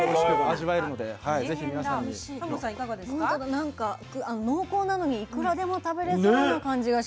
何か濃厚なのにいくらでも食べれそうな感じがしますね。